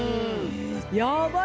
やばい！